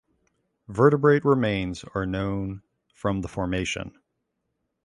Vertebrate remains are known from the formation.